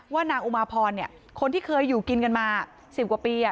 ว่านางอุมาพรเนี้ยคนที่เคยอยู่กินกันมาสิบกว่าปีอ่ะ